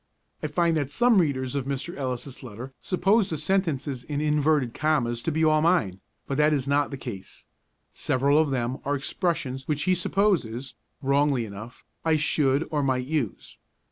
I find that some readers of Mr. Ellis' letter suppose the sentences in inverted commas to be all mine, but that is not the case; several of them are expressions which he supposes (wrongly enough) I should or might use.